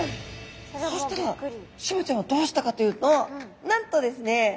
そしたらシマちゃんはどうしたかというとなんとですね